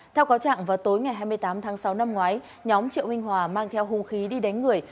theo cáo trạng vào tối ngày hai mươi tám tháng sáu năm ngoái nhóm triệu minh hòa mang theo hung khí đi đánh người